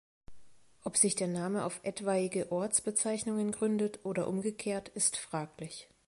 Ob sich der Name auf etwaige Ortsbezeichnungen gründet oder umgekehrt ist fraglich.